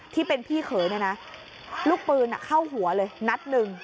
ที่เป็นพี่เขยเนี่ยนะลูกปืนเข้าหัวเลยนัดหนึ่ง